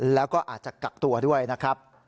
แล้วก็อาจจะกักตัวด้วยนะครับ